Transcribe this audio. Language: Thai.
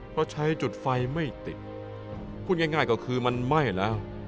เพราะใช้จุดไฟไม่ติด